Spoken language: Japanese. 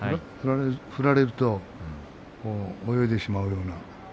振られると泳いでしまうような。